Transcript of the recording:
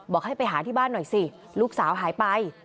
ให้ไปหาที่บ้านหน่อยสิลูกสาวหายไป